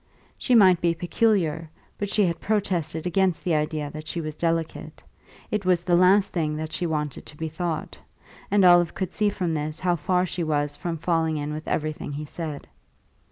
She might be peculiar, but she had protested against the idea that she was delicate; it was the last thing that she wanted to be thought; and Olive could see from this how far she was from falling in with everything he said.